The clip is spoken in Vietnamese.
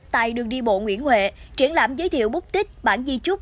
tại đường đi bộ nguyễn huệ triển lãm giới thiệu búc tích bản di trúc